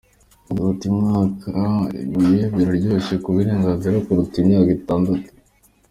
Yagize ati “Mu mwaka umwe biroroshye kubigenzura kuruta imyaka itatu.